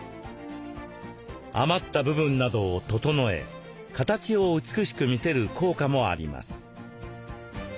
余った部分などを整え形を美しく見せる効果もあります。